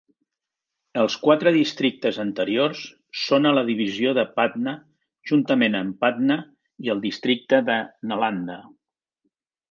Els quatre districtes anteriors són a la divisió de Patna juntament amb Patna i el districte de Nalanda.